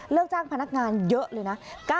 จ้างพนักงานเยอะเลยนะ